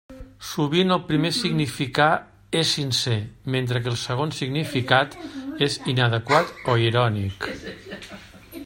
Sovint el primer significar és sincer, mentre que el segon significat és inadequat, o irònic.